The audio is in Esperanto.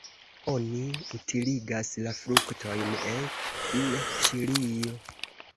Oni utiligas la fruktojn en Ĉilio.